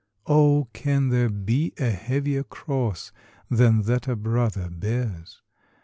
Oh, can there be a heavier cross Than that a brother bears?